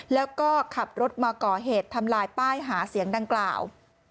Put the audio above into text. แล้วก็ขับรถมาก่อเหตุทำลายป้ายหาเสียงดังกล่าว